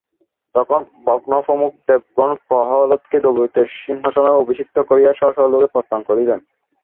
তখন ব্রহ্মাপ্রমুখ দেবগণ প্রহ্লাদকে দৈত্যদের সিংহাসনে অভিষিক্ত করিয়া স্ব-স্ব লোকে প্রস্থান করিলেন।